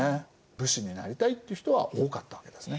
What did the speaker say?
武士になりたいっていう人は多かったわけですね。